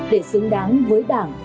để xứng đáng với đảng